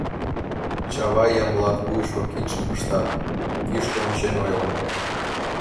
Чавай Ямблат вуйышко кидшым пыштат, кӱшкӧ ончен ойла: